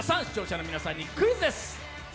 視聴者の皆さんにクイズです。